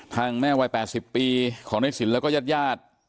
ทางแม่วัย๘๐ปีของเรศสินและก็ญาติญาติ